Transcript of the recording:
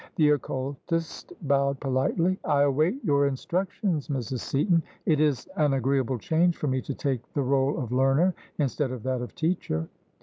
The occultist bowed politely. " I await your instructions, Mrs. Seaton. It is an agreeable change for me to take the role of learner instead of that of teacher."